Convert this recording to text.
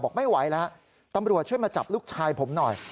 บอกไม่ไหวแล้วตำรวจช่วยมาจับลูกชายผมหน่อย